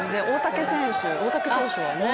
大竹投手もね。